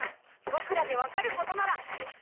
ぼくらで分かることなら。